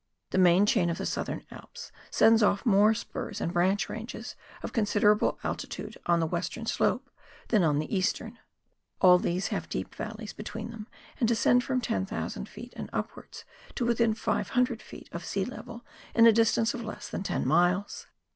The main chain of the Southern Alps sends off more spurs and branch ranges of considerable altitude on the western slopes than on the eastern. All these have deep valleys between them, and descend from 10,000 ft. and upwards to within 500 ft. of sea level in a distance of less than ten miles.